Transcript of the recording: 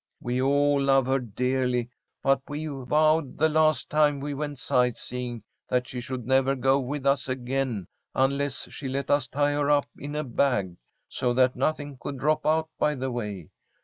"We all love her dearly, but we vowed the last time we went sightseeing that she should never go with us again unless she let us tie her up in a bag, so that nothing could drop out by the way.